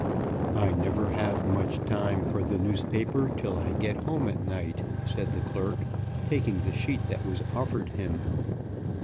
"I never have much time for the newspaper till I get home at night," said the clerk, taking the sheet that was offered him.